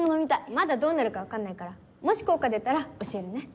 まだどうなるか分かんないからもし効果出たら教えるね。